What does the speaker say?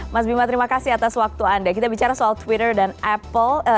mas bima terima kasih atas waktu anda kita bicara soal twitter dan apple